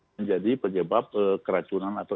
menjadi penyebab keracunan atau